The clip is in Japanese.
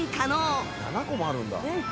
「７個もあるんだ」